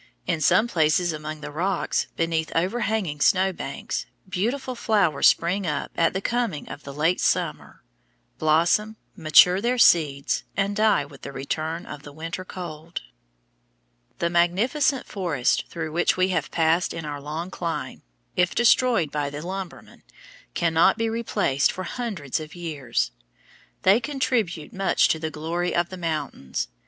In some places among the rocks, beneath overhanging snow banks, beautiful flowers spring up at the coming of the late summer, blossom, mature their seeds, and die with the return of the winter cold. [Illustration: FIG. 129. THE UPPER LIMIT OF THE TIMBER Sierra Nevada Mountains] The magnificent forests through which we have passed in our long climb, if destroyed by the lumberman, cannot be replaced for hundreds of years. They contribute much to the glory of the mountains.